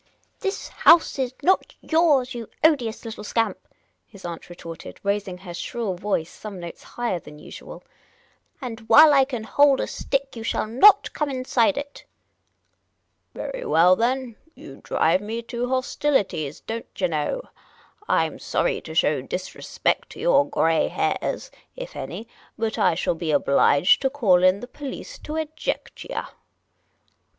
This house is not yours, you odious little scamp," his aunt retorted, raising her shrill voice some notes higher than usual ;" and ' ile I can hold a stick you shall not come inside it." " Very well, then ; you drive me to hostilities, don't yah know. I 'm sorry to show disrespect to your grey hairs — if any — but I shall be obliged to call in the police to eject yah."